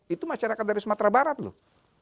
itu masyarakat dari sumatera barat loh